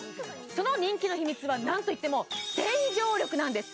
その人気の秘密は何といっても洗浄力なんです！